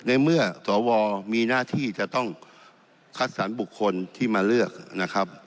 ในเมื่อสวมีหน้าที่จะต้องคัดสรรบุคคลที่มาเลือกนะครับ